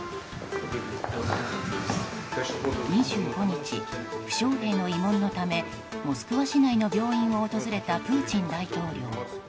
２５日、負傷兵の慰問のためモスクワ市内の病院を訪れたプーチン大統領。